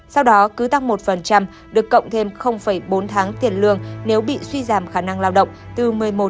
sau đó cứ tăng một được cộng thêm bốn tháng tiền lương nếu bị suy giảm khả năng lao động từ một mươi một một